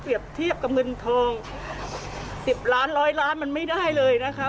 เปรียบเทียบกับเงินทอง๑๐ล้าน๑๐๐ล้านมันไม่ได้เลยนะครับ